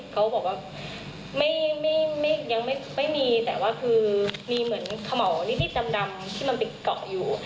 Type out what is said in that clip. เขาบอกว่ายังไม่มีแต่ว่าคือมีเหมือนเขม่าวนิดดำที่มันไปเกาะอยู่